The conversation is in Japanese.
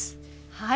はい！